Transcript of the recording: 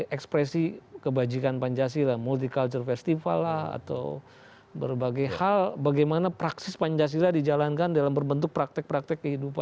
ekspresi kebajikan pancasila multi culture festival lah atau berbagai hal bagaimana praksis pancasila dijalankan dalam berbentuk praktek praktek kehidupan